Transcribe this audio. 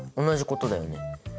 同じことだよね。